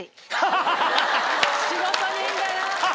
仕事人だな。